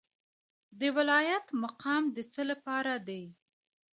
د ولایت مقام د څه لپاره دی؟